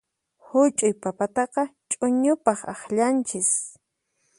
Huch'uy papataqa ch'uñupaq akllanchis.